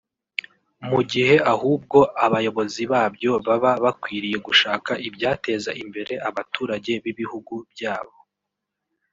mu gihe ahubwo abayobozi babyo baba bakwiriye gushaka ibyateza imbere abaturage b'ibihugu byabo